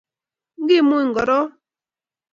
Ngemuny korok